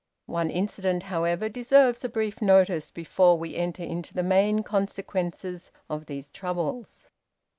One incident, however, deserves a brief notice before we enter into the main consequences of these troubles.